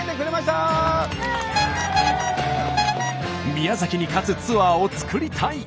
宮崎に勝つツアーを作りたい！